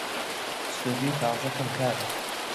ستۆدیۆی تازە کەم کارە